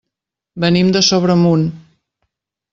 Venim de Sobremunt.